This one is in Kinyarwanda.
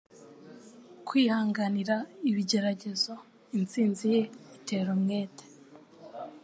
kwihanganira ibigeragezo; Intsinzi ye itera umwete